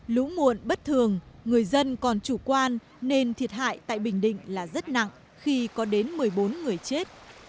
lũ muộn bất thường người dân còn chủ quan nên thiệt hại tại bình định là rất nặng khi có đến một mươi bốn người chết